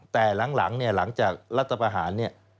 แต่หลังหลังจากรัฐประหาร